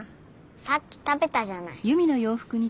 さっき食べたじゃない。